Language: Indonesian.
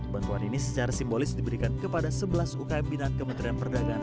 bantuan ini secara simbolis diberikan kepada sebelas ukm binat kementerian perdagangan